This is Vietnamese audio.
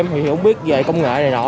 mẹ thì em không biết về công nghệ này nọ